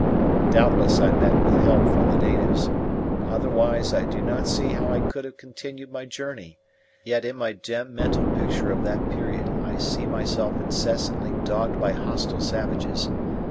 Doubtless I met with help from the natives, otherwise I do not see how I could have continued my journey; yet in my dim mental picture of that period I see myself incessantly dogged by hostile savages.